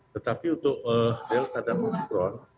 tetapi untuk delta dan omikron